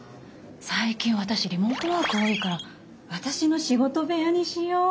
最近私リモートワーク多いから私の仕事部屋にしよう。